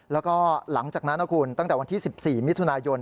แล้วก็หลังจากนั้นนะคุณตั้งแต่วันที่๑๔มิถุนายน